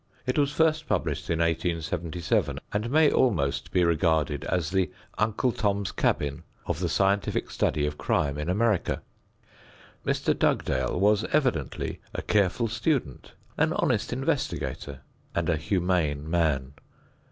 It was first published in 1877 and may almost be regarded as the "Uncle Tom's Cabin" of the scientific study of crime in America. Mr. Dugdale was evidently a careful student, an honest investigator and a humane man.